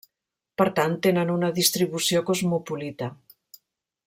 Per tant tenen una distribució cosmopolita.